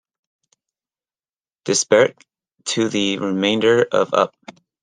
Disparate to the remainder of Up!